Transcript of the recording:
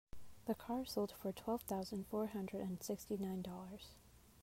The car sold for twelve thousand four hundred and sixty nine dollars.